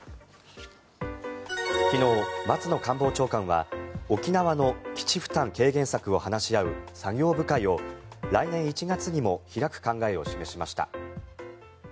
昨日、松野官房長官は沖縄の基地負担軽減策を話し合う作業部会を来年１月にも開く考えを示しました。